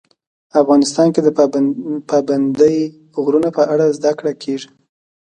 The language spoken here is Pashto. افغانستان کې د پابندی غرونه په اړه زده کړه کېږي.